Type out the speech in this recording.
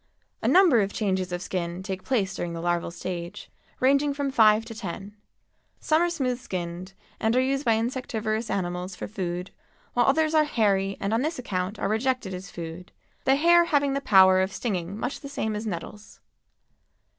A number of changes of skin take place during the larval stage, ranging from five to ten. Some are smooth skinned and are used by insectivorous animals for food, while others are hairy and on this account are rejected as food, the hair having the power of stinging much the same as nettles.